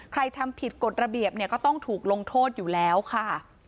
ทำผิดกฎระเบียบเนี่ยก็ต้องถูกลงโทษอยู่แล้วค่ะ